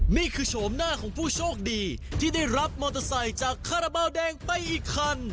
โฉมหน้าของผู้โชคดีที่ได้รับมอเตอร์ไซค์จากคาราบาลแดงไปอีกคัน